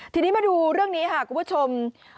ทีนี้มาดูเรื่องนี้ค่ะคุณผู้ชม